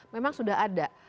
memang sudah ada